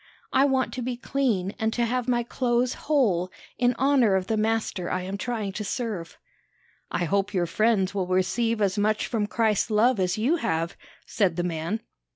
"I want to be clean and to have my clothes whole in honor of the Master I am trying to serve." "I hope your friends will receive as much from Christ's love as you have," said the man.